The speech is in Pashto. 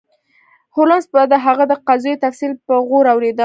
هولمز به د هغه د قضیو تفصیل په غور اوریده.